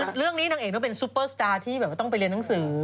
เรื่องนี้นางเอกต้องเป็นซุปเปอร์สตาร์ที่แบบว่าต้องไปเรียนหนังสือ